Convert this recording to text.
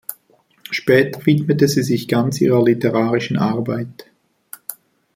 Später widmete sie sich ganz ihrer literarischen Arbeit.